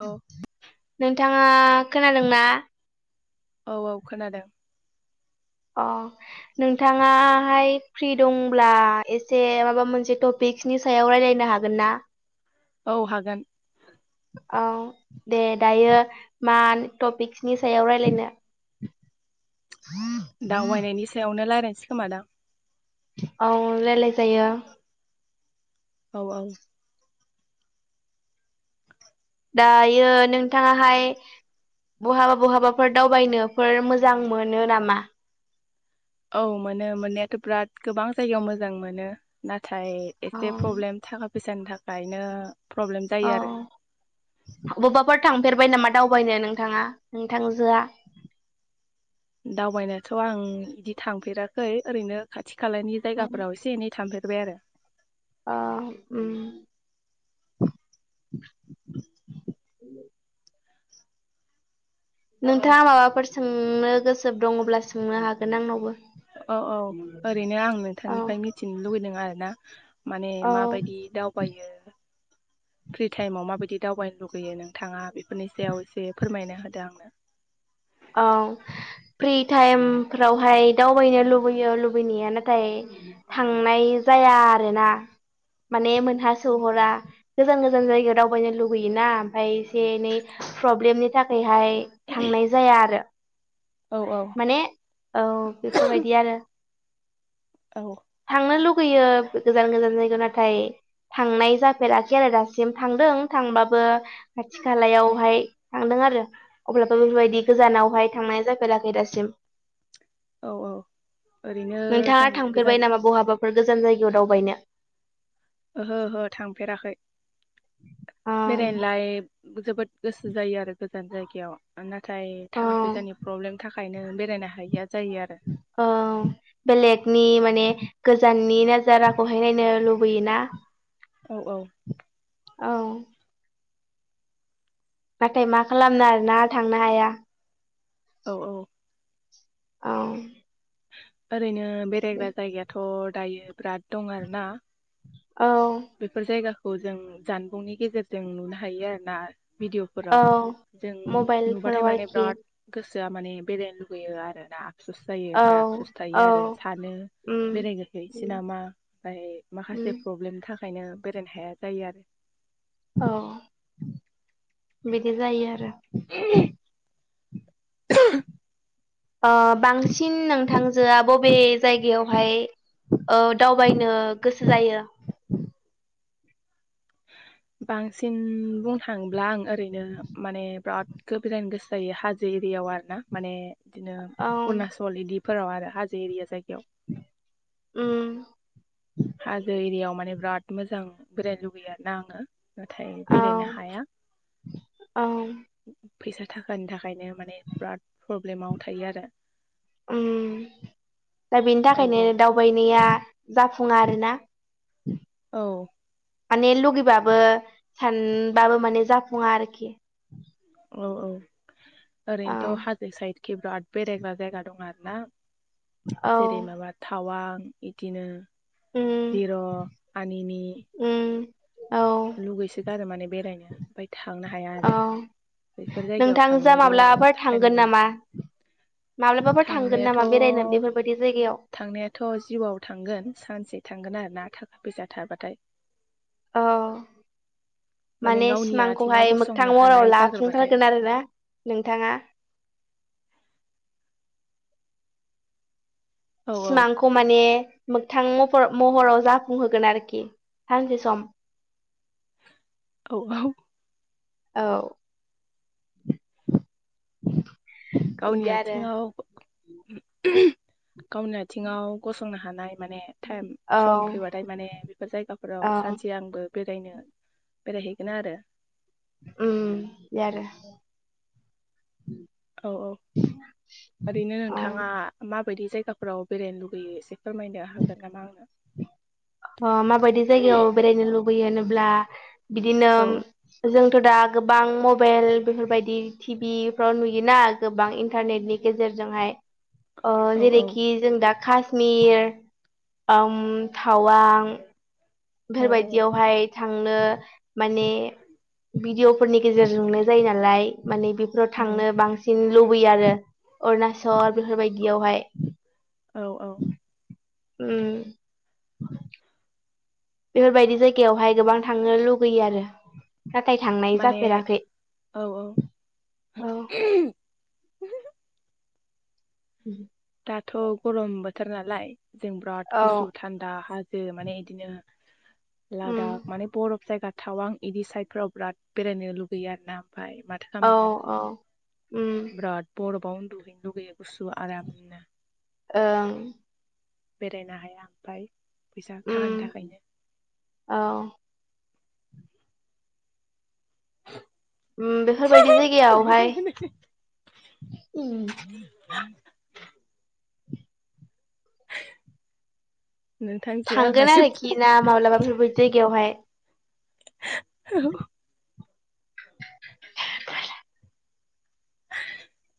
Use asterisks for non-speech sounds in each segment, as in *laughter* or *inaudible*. औ ङा खोनादोंना? औ औ खोनादों। अ नोंथाङाहाय फ्रि दंब्ला एसे माबा मोनसे टपिक फक्सनि सायाव रायज्लायनो हागोन ना? औ हागोन औ दे दायो मा टपिक्सनि सायाव रायज्लायनो *inaudible* दावबायनायनि सायावनो रायलायनोसै खोमा दां। औ रायलाय जायो। औ औ दायो नोंथाङाहाय बहाबा बहाबाफोर दावबायनोफोर मोजां मोनो नामा? औ मोनो मोननायाथ' बिराद गोबां जायगायाव मोजां मोनो ना नाथाय औ एसे प्रब्लेम थाखा फैसानि थाखायनो प्रब्लेम जायो औ आरो बबाफोर थांफेरबाय नामा दावबायनो नोंथाङा नोंथांजोआ? दावबायनायाथ' आं बिदि थांफेराखै ओरैनो खाथि खाथि खालानि जायगाफोराव एसे एनै थांफेरबाय आरो। अ उम *inaudible* नोंथाङा माबाफोर सोंनो गोसो दङ'ब्ला सोंनो हागोन आंनावबो औ औ ओरैनो आं औ नोंथांनिफ्राय मिथिनो लुुबैदों आरोना माने औ माबायदि दावबायो *inaudible* फ्रि टाइमाव माबायदि दावबायनो लुगैयो नोंथाङा बेफोरनि सायाव एसे फोरमायनो होदो आंनो। औ फ्रि टाइमफ्रावहाय दावबायनो लुबैयो लुबैनाया नाथाय थांनाय जाया आरोना। माने मोनहा सौहरा गोजान गोजान जायगायाव दावबायनो लुगैयोना ओमफाय एसे एनै प्रब्लेमनि थाखायहाय थांनाय जाया आरो। औ औ माने औ बेफोर बायदि आरो औ थांनो लुगैयो गोजान गोजान जायगा ना नाथाय थांनाय जाफेराखै आरो दासिम थांदों थांबाबो खाथि खालायावहाय थांदों आरो अब्लाबो बेफोर बायदि गोजानावहाय थांनाय जाफेराखै दासिम। औ औ ओरैनो जों गोजान बेफोर गोजान जायगायाव दावबायनो ओहो ओहो थांफेराखै औ बेरायनोलाय जोबोद गोसो जायो आरो गोजान जायगायाव नाथाय औ थाखा फैसानि प्रब्लेम था थाखायनो बेरायनो हायो आरो। अ बेलेगनि माने गोजाननि नाजाराखौहाय नायनो लुबैयोना। औ औ। औ। नाथाय मा खालामनो आरोना थांनो हाया औ औ। औ। ओरैनो बेरायग्रा जायगायाथ' दायो बिराद दं आरोना औ बेफोर जायगाखौ जों जानबुंनि गेजेरजों नुनो हायो आरो ना औ भिदिअफोराव जों नुबाथाय मबाइलफोराव माने आरोखि बिराद गोसो गोसोआ माने बेरायनो लुुबैयो आरोना आफसुस जायो औ ओमफ्राय आफसुस थायो औ आरो सानो उम बेरायगारहैसै उम नामा ओमफ्रार माखासे प्रब्लेमनि थाखाय ओंखायनो बेरायनो हाया जायो आरो औ बिदि जायो आरो बांसिन नोंथांजोआ बबे जायगायावहाय औ दावबायनो गोसो जायो बांसिन बुंनो थाङोब्ला आं ओरैनो माने बिराद गो ब्रायनो गोसो जायो हाजो एरियाायाव आरोना माने बिदिनो औ अरुणाचल बिदि फोराव आरो हाजो एरिया जायगायाव उम हाजो एरियायाव माने बिराद मोजां बेरायनो लुगैयो आरोना आङो। नाथाय औ बेरायनो हाया औ फैसा थाखानि थाखायनो माने बिराद प्रब्लेमाव थायो आरो दा बेनि औ औ थाखायनो दावबायनाया जाफुं फुङा आरोना औ। माने लुगैबाबो सानबाबो माने जाफुङा आरोखि औ औ औ ओरैनोथ' हाजो साइडखि बिराद बेरायग्रा जायगा दं आरो ना औ जेरै माबा थावां इदिनो उम जिर' आनिनि उम औ लुगैसो गारो माने बेरायनो ओमफ्राय थांनो हाया औ आरो बैफोर जायगायाव नोंथांजोआ थांनोबो थाखायनांगोन। माब्लाबफोर थांगोन थांनायाथ' नामा बेरायनो बेफोरबायदि जायगायाव थांनायाथ' जिउआव थांगोन सानसे थांगोन आरोना थाखा फैसा थाबाथाय अह। माने गावनि आथिङाव सिमांखौहाय मोगथां गसंनो महराव हानाय जाग्रोबाथाय लाफिनथारगोन आरोना नोंथाङा औ सिमांखौ माने मोगथां महर महराव जाफुंहोगोन आरोखि सानसे सम औ औ। औ गावनि बिदि आरो आथिङाव गावनि आथिंङाव गसंनो हानाय माने थाइम औ सम फैबाथाय माने बेफोर जायगाफोराव औ सानसे आंबो बेरायनो बेरायहैगोन आरो उम बे आरो औ औ ओरैनो औ नोंथाङा मा बेफोर बायदि जायगाफोराव बेरायनो लुुबैयो एसे फोरमायनो हागोन नामा आंनो। अ माबायदि जायगायाव बेरायनो लुबैयो होनोब्ला बिदिनो औ जों दा गोबां मबाइल बेफोरबायदि टिभिफ्राव नुयोना गोबां इन्टारनेटनि गेजेरजों जों हाय औ औ जेरैखि जों दा काश्मिर ओम थावां औ औ बेफोरबायदियावहाय थांनो माने भिडिअ'फोरनि गेजेरजोंनो जायो नालाय माने बेफोराव उम थांनो बांसिन लुबैयो आरो अरुणाचल बेफोरबायदियावहाय औ औ उम बेफोरबायदि जायगायावहाय गोबां थांनो लुगैयो आरो नाथाय थांनाय माने जाफेराखै औ औ औ। दाथ' गरम बोथोर नालाय जों बिराद औ गुसु थान्दा हाजो माने बिदिनो उम लादाख माने बरफ जायगा थाव आं इदि साइडफोराव बिराद बेरायनो लुगैयो आरो ना ओमफाय माथो औ खालामनो आरो औ उम बिराद बरफाव उन्दुहैनो लुगैयो गुसु आराम ओं बेरायनो हाया ओमफ्राय उम औ उम बेफोरबायदि जायगायावहाय उम नोंथांजो आंहा थांगोन एसे आरोखि ना माब्लाबा बेफोरबाय जायगायावहाय औ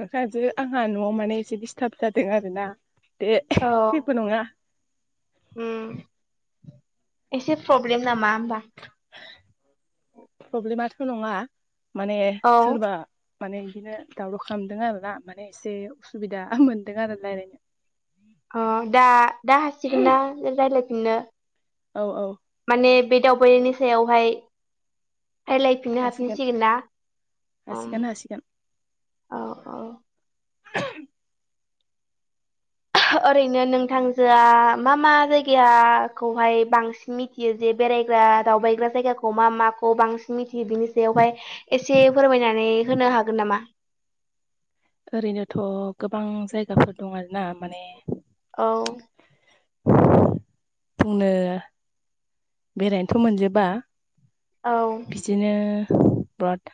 नखाजो आंहा न'आव माने एसे दिडिस्टार्ब जादों आरोना। दे औ जेबो नङा। उम एसे प्रब्लेम नामा होमबा? प्रब्लेमाथ' नङा माने औ सोरबा माने बिदिनो दावराव खालामदों आरोना माने एसे उसुबिदा मोनदों आरो रायजलायनो। अ दा दा हासिगोन ना रायज्लायफिननो? औ औ माने बे दावबायनायनि सायावहाय राय्लायफिननो हासिगोन हाफिनसिगोन ना ओम हासिगोन हासिगोन औ औ *inaudible* ओरैनो नोंथांजोआ मा मा जायगाखौहाय बांसिन मिथियो जे बेरायग्रा दावबायग्रा जायगाखौ मा माखौ बांसिन मिथियो बिनि सायावहाय एसे फोरमायनानै होनो हा गोन नामा? ओरैनोथ' गोबां जायगाफोर दं आरोना माने औ बुंनो बेरायनोथ' मोनजोबा औ बिदिनो बाट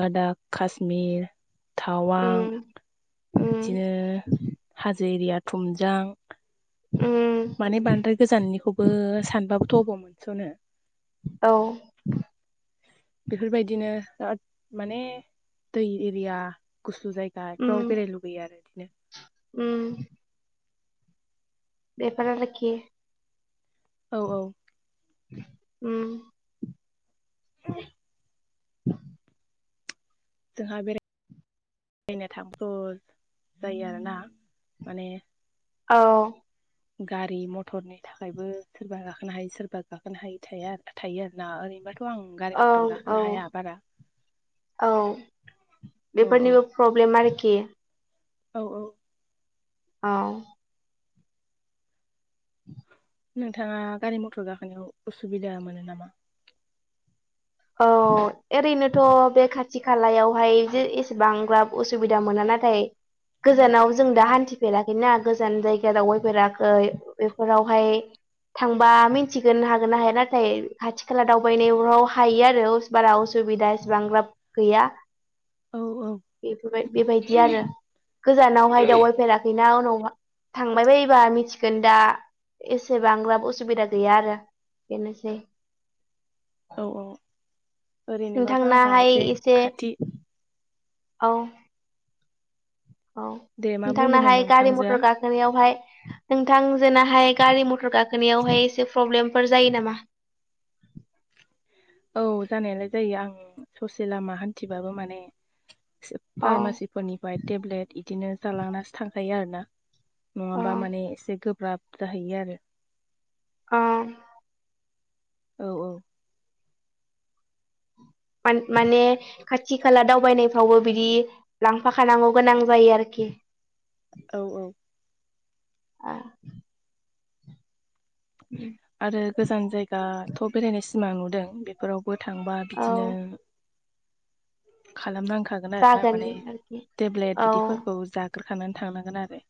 लादाख कास्मिर थावां उम उम बिदिनो हाजो एरिया थुमजां उम माने बांद्राय गोजाननिखौबो सानबाबोथ' अबाव मोनस'नो औ बेफोरबायदिनो बिराद माने दै एरिया गुसु जायगा उम फ्राव बेरायनो लुुबैयो आरो बिदिनो उम बेफोरा आरोखि। औ औ उम *unintelligible* *inaudible* जोंहा बेरा रायनो थांथ' जायो आरोना माने औ। गारि मथरनि थाखायबो सोरबा गाखोनो हायि सोरबा गाखोनो हायि थाया थायो आरोना ओरैनोबा थ' आं गारि औ मथर औ गाखोनो हाया बारा। औ औ बेफोरनिबो प्रब्लेम आरोखि। औ औ। औ। नोंथांङा गारि मथर गाखोनायाव उसुबिदा मोनो नामा? औ ओरैनोथ' बे खाथि खालायावहाय जे एसेबां लाब उसुबिदा मोना। नाथाय गोजानाव जों दा हान्थिफेरा बेना गोजान जायगा दावबायफेराखै बेफोरावहाय थांबा मिन्थिगोन हागोन ना हाया नाथाय खाथि खाला दावबायनायाव हायो आरो उस बारा असुबिदा एसेबां राब गैया। औ औ बेफोरबाय बेबायदि आरो गोजानावहाय दावबायफेराखै। नाव उनावहा थांबाय बायोबा मिथिगोन दा एसे बांद्राब उसुबिदा गैया आरो बेनोसै। औ औ। ओरैनोबाबो आंहा एसे खाथि औ। औ दे मा बुंदोंमोन नोंथांनाहाय गारि मथर नोंथांजोआ गाखोनायावहाय नोंथांजोंनाहाय गारि मथर गाखोनायावहाय एसे प्रब्लेमफोर जायो नामा? *inaudible* औ जानायालाय जायो आं ससे लामा हान्थिबाबो माने अ फार्मासिफोरनिफ्राय टेब्लेट इदिनो जालांनासो थांखायो आरो ना। अ नंङाबा माने एसे गोब्राब जाहैयो आरो। अ। औ औ। मान माने खाथि खाला दावबायनायफ्रावबो बिदि लांफाखानांगौ गोनां जायो आरोखि। *inaudible* औ औ। ए। आरो गोजान जायगाथ' बेरायनाय सिमां नुदों बेफोराव बो थांबा औ बिदिनो खालामनां खागोन आरो ना जागोन माने आरोखि टेब्लेट औ बिदिफोरखौ जाग्रोखानानै थांनांगोन आरो।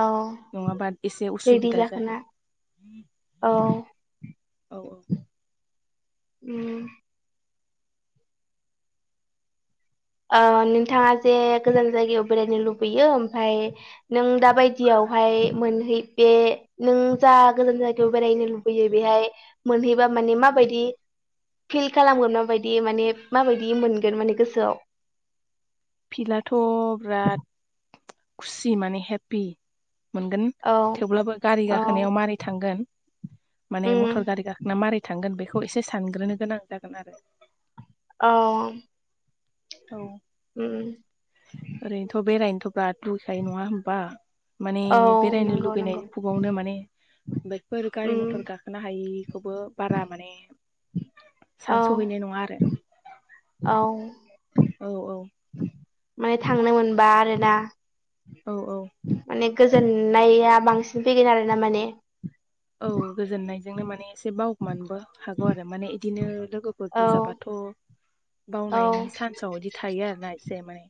औ नंङाबा एसे रेडि उसुबिदा जाखोना जाहैयो। औ औ औ। उम। ओ नोंथांङा जे गोजान जायगायाव बेरायनो लुबैयो ओमफाय नों दा‌ बादियावहाय मोनहै बे जा गोजान जायगायाव बेरायनो लुबैयो बेहाय मोनहैबा माने माबायदि फिल खालामगोन माबायदि माने माबायदि मोनगोन माने गोसोआव? फिलाआथ' बिराद खुसि माने हेपि। मोनगोन औ थेवब्लाबो गारि औ गाखोनायाव मारै थांगोन माने उम मथर गारि गाखोना मारै थांगोन बेखौ एसे सानग्रोनो गोनां जागोन आरो। आं। औ। उम उम। ओरैनोथ' बेरायनोथ' *unintelligible* नङा होनबा माने औ बेरायनो नंगौ नंगौ लुगैनायनि फुबावनो माने बायक फोर गारि उम मथर गाखोनो हायिखौबो बारा माने औ सानस'हैनाय नङा आरो औ औ औ माने थांनो मोनबा आरोना औ औ माने गोजोननाया बांसिन फैगोन आरो ना माने बेजोंनो माने एसे बावगोमानोबो हागौ आरो माने बिदिनो लोगोफोर औ बुरजाबाथ' औ बावनायनि सान्साव बिदि थायो आरोना एसे माने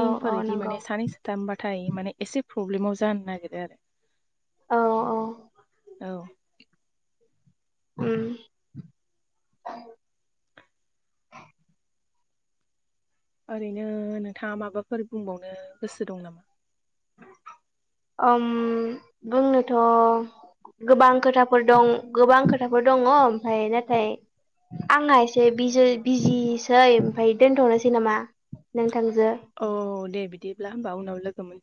औ औ इदि नंगौ माने सानै साथामबाथाय माने एसे प्रब्लेमाव जानो नागिरो आरो। औ औ औ उम *inaudible* ओरैनो नोंथाङा माबाफोर बुंबावनो गोसो दं नामा? ओम बुंनोथ' गोबां खोथाफोर दं गोबां खोथाफोर दङ ओमफाय नाथाय आंहा एसे बिजि बिजिसै ओमफाय दोनथ'नोसै नामा नों औ दे बिदिब्ला होमबा उनाव लोगो मोन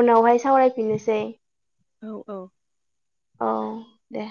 उनावहाय सावरायफिननोसै। औ औ औ दे